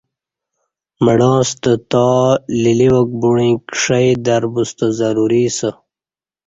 مڑاںستہ تالیلیواک بوعیک ݜئ در بوستہ ضروری اسہ